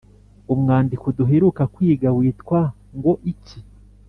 Umwandiko duheruka kwiga witwa ngo iki?